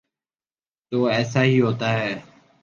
تو ایسا ہی ہوتا ہے۔